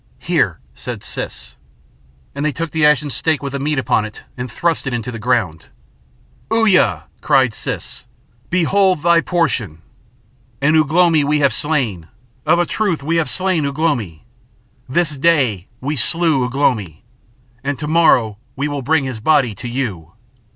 "Here!" said Siss. And they took the ashen stake with the meat upon it and thrust it into the ground. "Uya!" cried Siss, "behold thy portion. And Ugh lomi we have slain. Of a truth we have slain Ugh lomi. This day we slew Ugh lomi, and to morrow we will bring his body to you."